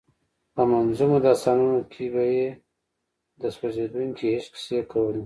په منظومو داستانونو کې به یې د سوځېدونکي عشق کیسې کولې.